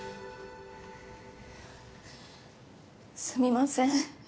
すみません。